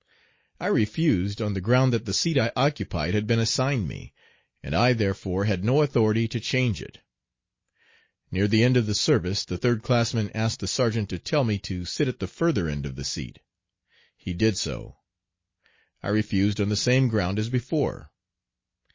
I refused, on the ground that the seat I occupied had been assigned me, and I therefore had no authority to change it. Near the end of the service the third classman asked the sergeant to tell me to sit at the further end of the seat. He did so. I refused on the same ground as before.